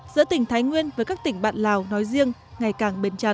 giữa tỉnh thái nguyên với các tỉnh bạn lào nói riêng ngày càng bền chặt